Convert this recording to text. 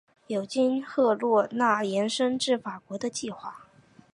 有经赫罗纳延伸至法国的计划。